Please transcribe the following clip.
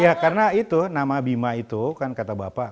ya karena itu nama bima itu kan kata bapak